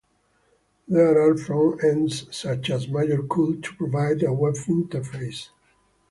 There are front-ends, such as MajorCool, to provide a web interface.